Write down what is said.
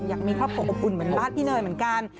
อยากมีครอบครัวอบอุ่นเหมือนบ้านพี่เนยเหมือนกัน